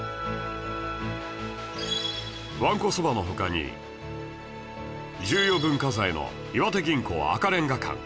わんこそばの他に重要文化財の岩手銀行赤レンガ館